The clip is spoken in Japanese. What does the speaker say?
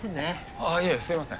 あぁいえすいません。